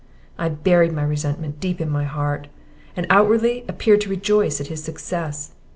I buried my resentment deep in my heart, and outwardly appeared to rejoice at his success.